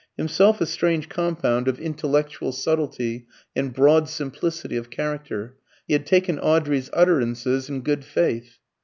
Himself a strange compound of intellectual subtilty and broad simplicity of character, he had taken Audrey's utterances in good faith.